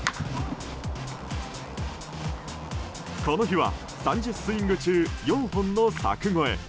この日は３０スイング中４本の柵越え。